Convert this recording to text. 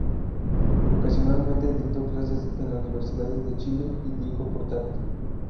Ocasionalmente dictó clases en las universidades De Chile y Diego Portales.